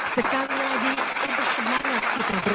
sekali lagi untuk semangat kita